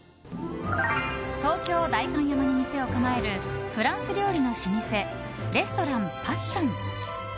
東京・代官山に店を構えるフランス料理の老舗レストラン・パッション。